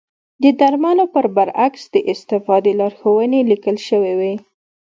د درملو پر بکس د استفادې لارښوونې لیکل شوې وي.